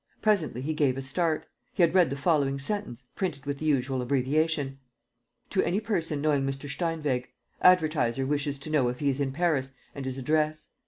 Presently, he gave a start. He had read the following sentence, printed with the usual abbreviation: "To any person knowing Mr. Steinweg. Advertiser wishes to know if he is in Paris and his address.